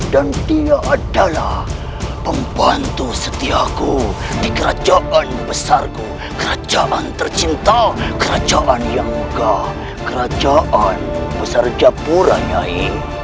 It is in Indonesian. dan dia adalah pembantu setiaku di kerajaan besarku kerajaan tercinta kerajaan yang enggak kerajaan besar jepuranya nyai